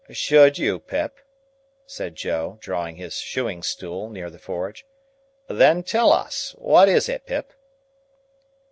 "Should you, Pip?" said Joe, drawing his shoeing stool near the forge. "Then tell us. What is it, Pip?"